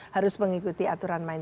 harus mengikuti aturan main